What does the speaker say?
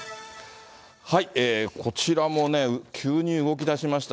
こちらもね、急に動きだしました。